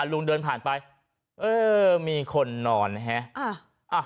ลุงเดินผ่านไปเออมีคนนอนนะฮะ